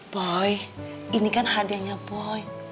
boy ini kan hadiahnya boy